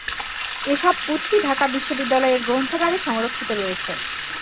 এসব পুথি ঢাকা বিশ্ববিদ্যালয়ের গ্রন্থাগারে সংরক্ষিত রয়েছে।